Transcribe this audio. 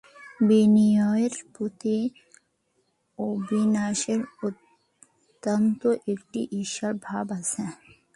বিনয়ের প্রতি অবিনাশের অত্যন্ত একটা ঈর্ষার ভাব আছে।